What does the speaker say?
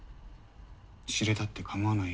知れたって構わないよ